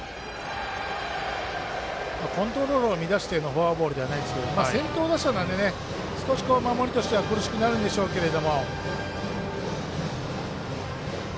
コントロールを乱してのフォアボールじゃないですから先頭打者なので守りとしては苦しくなるんでしょうけど。